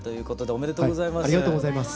ありがとうございます。